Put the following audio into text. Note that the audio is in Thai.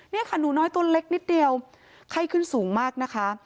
นี่ค่ะหนูน้อยตัวเล็กนิดเดียวไข้ขึ้นสูงมากนะคะ